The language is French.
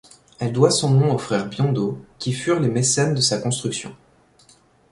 Elle doit son nom aux frères Biondo, qui furent les mécènes de sa construction.